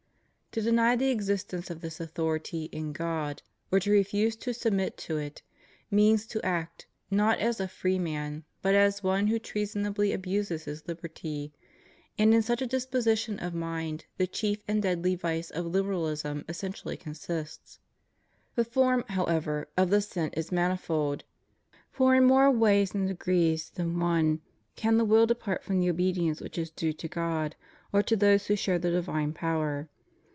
To deny the existence of this authority in God, or to refuse to submit to it, means to act, not as a free man, but as one who treasonably abuses his liberty; and in such a disposition of mind the chief and deadly vice of Liberalism essentially consists. The form, how ever, of the sin is manifold; for in more ways and degrees than one can the will depart from the obedience which is due to God or to those who share the divine power.